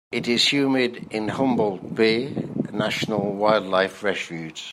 is it humid in Humboldt Bay National Wildlife Refuge